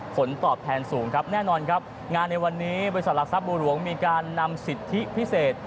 ผลตอบแทนสูงครับแน่นอนครับงานในวันนี้บริษัทหลักทรัพย์บัวหลวงมีการนำสิทธิพิเศษ